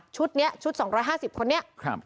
ชุดนี้ชุด๒๕๐คนนี้